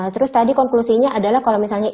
terus tadi konklusinya adalah kalau misalnya